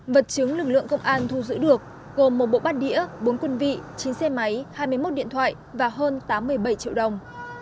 vật chứng lực lượng công an thu giữ được gồm một bộ bát đĩa bốn quân vị chín xe máy hai mươi một điện thoại và hơn tám mươi bảy triệu đồng